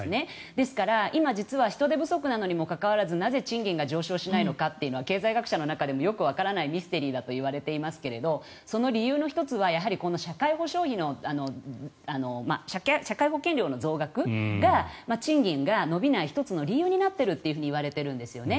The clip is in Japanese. ですから今、実は人手不足なのにもかかわらずなぜ賃金が上昇しないのかは経済学者の中でもよくわからないミステリーだといわれていますがその理由の１つはこの社会保険料の増額が賃金が伸びない１つの理由になっているといわれているんですね。